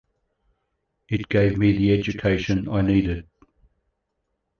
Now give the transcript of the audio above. It gave me the education I needed.